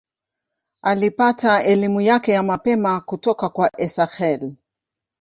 Alipata elimu yake ya mapema kutoka kwa Esakhel.